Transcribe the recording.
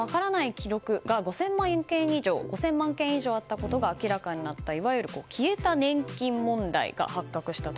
記録が５０００万件以上あったことが明らかになったいわゆる消えた年金問題が発覚したと。